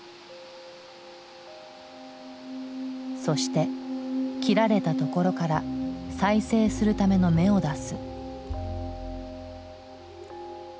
そして切られたところから再生するための芽を出す。